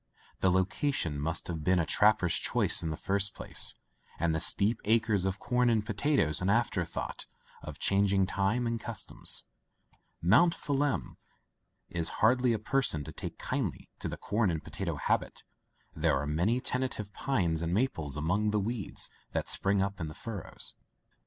The location must have been a trapper's choice in the first place, and the steep acres of corn and potatoes an after thought of changing time and custom. Mount Phelim is Digitized by LjOOQ IC Interventions hardly a person to take kindly to the com and potato habit. There are many tentative pines and maples among the weeds that spring up in the furrows.